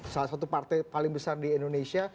salah satu partai paling besar di indonesia